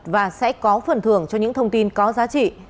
và sẽ có phần thưởng cho những thông tin có giá trị